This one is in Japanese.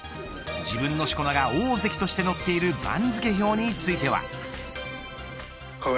自分のしこ名が大関として載っている番付表については。